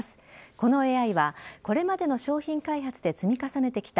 このＡＩはこれまでの商品開発で積み重ねてきた